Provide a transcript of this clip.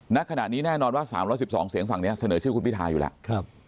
ณขณะนี้แน่นอนว่า๓๑๒เสียงฝั่งนี้เสนอชื่อคุณพิทาอยู่แล้ว